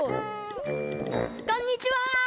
こんにちは！